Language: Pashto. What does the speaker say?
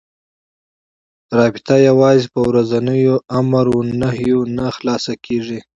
رابطه یوازې په ورځنيو امر و نهيو نه خلاصه کېږي.